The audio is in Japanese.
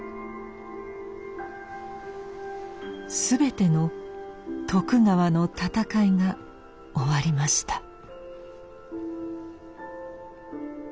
全ての徳川の戦いが終わりました。